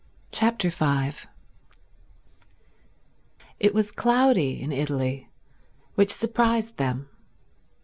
Chapter 5 It was cloudy in Italy, which surprised them.